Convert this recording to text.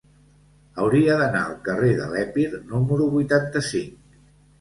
Hauria d'anar al carrer de l'Epir número vuitanta-cinc.